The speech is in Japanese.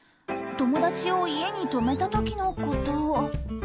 友達を家に泊めた時のこと。